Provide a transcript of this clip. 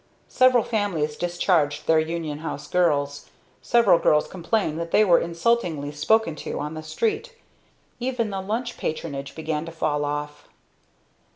Several families discharged their Union House girls. Several girls complained that they were insultingly spoken to on the street. Even the lunch patronage began to fall off.